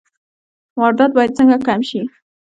واردات باید څنګه کم شي؟